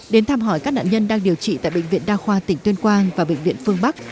đến thăm hỏi các nạn nhân đang điều trị tại bệnh viện đa khoa tỉnh tuyên quang và bệnh viện phương bắc